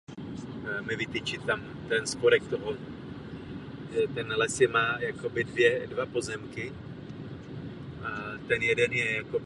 K prohloubení diplomatické kritiky došlo v období humanismu.